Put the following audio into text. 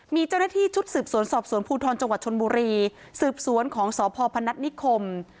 มีเจ้าหน้าที่ชุดสืบสวนสอบสวนภูทรจังหวัดชนบุรีสืบสวนของสพพนัฐนิคม